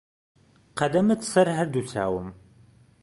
قەدەمت سەر هەر دوو چاوم